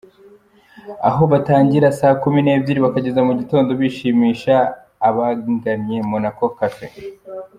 Aho batangira saa kumi n’ebyiri bakageza mu gitondo bashimisha abagannye Monaco Cafe.